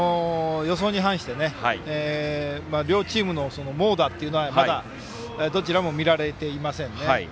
予想に反して両チームの猛打はまだどちらも見られていませんね。